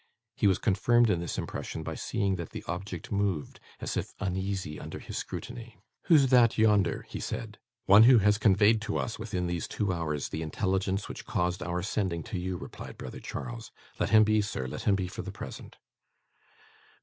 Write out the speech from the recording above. He was confirmed in this impression by seeing that the object moved, as if uneasy under his scrutiny. 'Who's that yonder?' he said. 'One who has conveyed to us, within these two hours, the intelligence which caused our sending to you,' replied brother Charles. 'Let him be, sir, let him be for the present.